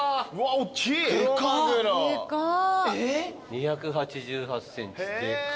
２８８ｃｍでっか。